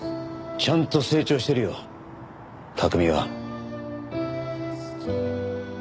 ちゃんと成長してるよ拓海は。